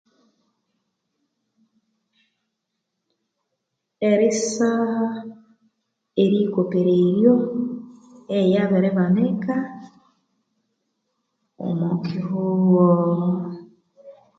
Erisaha eriyikopereryo eya biribanika omokigughoo